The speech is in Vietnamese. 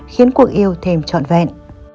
khiến cuộc yêu thêm trọn vẹn